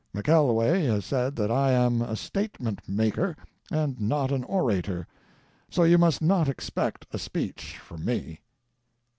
McKelway has said that I am a statement maker and not an orator, so you must not expect a speech from me."